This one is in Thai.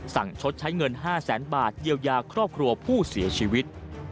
ชดใช้เงิน๕แสนบาทเยียวยาครอบครัวผู้เสียชีวิต